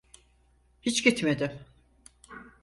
Hiç gitmedim.